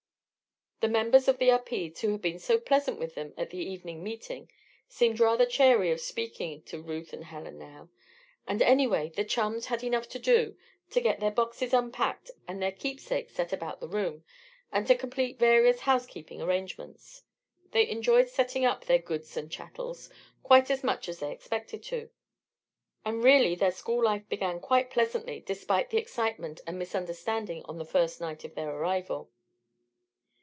The members of the Upedes who had been so pleasant with them at the evening meeting seemed rather chary of speaking to Ruth and Helen how; and, anyway, the chums had enough to do to get their boxes unpacked and their keepsakes set about the room, and to complete various housekeeping arrangements. They enjoyed setting up their "goods and chattels" quite as much as they expected to; and really their school life began quite pleasantly despite the excitement and misunderstanding on the first night of their arrival.